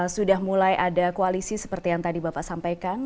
sudah mulai ada koalisi seperti yang tadi bapak sampaikan